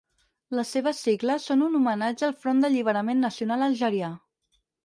Les seves sigles són un homenatge al Front d'Alliberament Nacional algerià.